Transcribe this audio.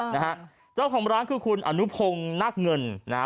นะฮะเจ้าของร้านคือคุณอนุพงศ์นักเงินนะฮะ